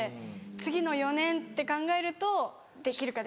次の４年って考えるとできるかできないか。